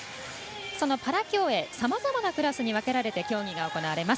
パラ競泳、さまざまなクラスに分けられて競技が行われます。